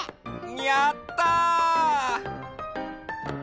やった！